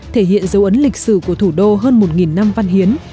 thể hiện dấu ấn lịch sử của thủ đô hơn một năm văn hiến